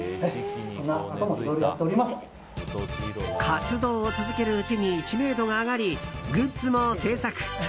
活動を続けるうちに知名度が上がりグッズも製作。